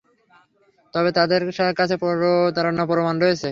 তবে তাদের কাছে প্রতারণার প্রমাণ রয়েছে।